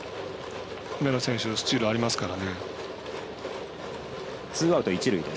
梅野選手、スチールありますから。